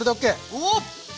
おっ！